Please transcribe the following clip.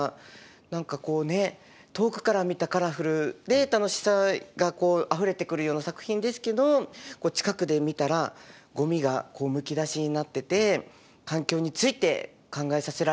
何かこうね遠くから見たらカラフルで楽しさがあふれてくるような作品ですけど近くで見たらゴミがむき出しになってて環境について考えさせられるなって思いましたし。